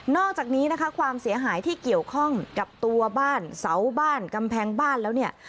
อกจากนี้นะคะความเสียหายที่เกี่ยวข้องกับตัวบ้านเสาบ้านกำแพงบ้านแล้วเนี่ย